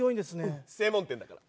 うん専門店だから。